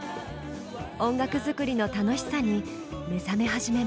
音楽作りの楽しさに目覚め始めます。